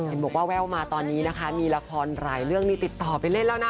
เห็นบอกว่าแววมาตอนนี้นะคะมีละครหลายเรื่องนี้ติดต่อไปเล่นแล้วนะ